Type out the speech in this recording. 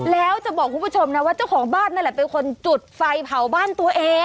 แล้วจะบอกคุณผู้ชมนะว่าเจ้าของบ้านนั่นแหละเป็นคนจุดไฟเผาบ้านตัวเอง